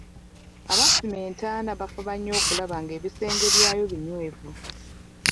Abasima entaana bafuba nnyo okulaba nga ebisenge byayo binywevu.